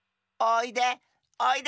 おいで。